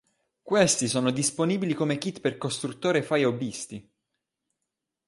Questi sono disponibili come kit per costruttori fai hobbisti.